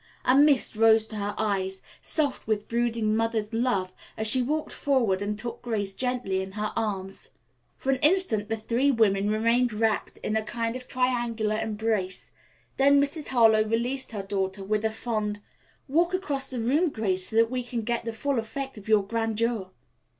A mist rose to her eyes, soft with brooding mother love, as she walked forward and took Grace gently in her arms. For an instant the three women remained wrapped in a kind of triangular embrace. Then Mrs. Harlowe released her daughter with a fond, "Walk across the room, Grace, so that we can get the full effect of your grandeur."